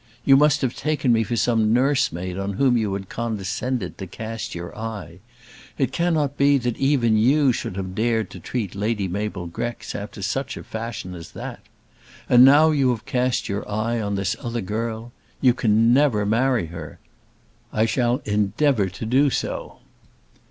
You must have taken me for some nursemaid on whom you had condescended to cast your eye! It cannot be that even you should have dared to treat Lady Mabel Grex after such a fashion as that! And now you have cast your eye on this other girl. You can never marry her!" "I shall endeavour to do so."